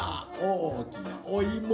おおきなおいも！